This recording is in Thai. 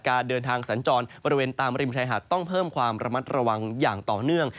การเดินทางสัญจรบริเวณตามริมชายหาดต้องเพิ่มความระมัดระวังอย่างต่อเนื่อง